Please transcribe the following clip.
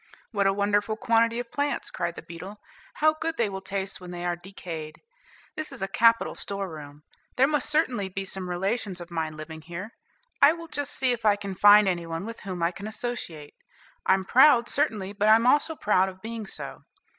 "What a wonderful quantity of plants," cried the beetle; "how good they will taste when they are decayed! This is a capital store room. There must certainly be some relations of mine living here; I will just see if I can find any one with whom I can associate. I'm proud, certainly; but I'm also proud of being so."